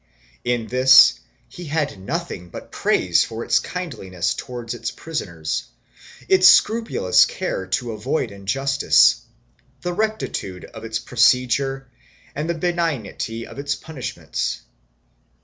In this he had nothing but praise for its kindliness towards its prisoners, its scrupulous care to avoid injustice, the rectitude of its procedure and the benignity of its punishments.